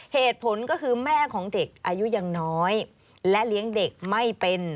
เหตุผลก็คือแม่ของเด็กอายุยังน้อยและเลี้ยงเด็กไม่เป็น